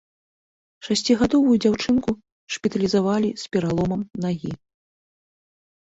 Шасцігадовую дзяўчынку шпіталізавалі з пераломам нагі.